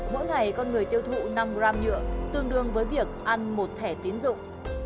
mỗi ngày con người tiêu thụ năm gram nhựa tương đương với việc ăn một thẻ tiến dụng